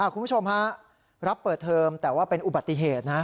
คุณผู้ชมฮะรับเปิดเทอมแต่ว่าเป็นอุบัติเหตุนะ